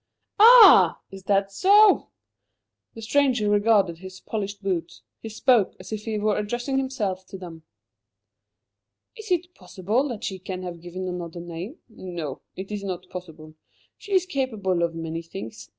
"Ah! Is that so?" The stranger regarded his polished boots. He spoke as if he were addressing himself to them. "Is it possible that she can have given another name? No, it is not possible. She is capable of many things.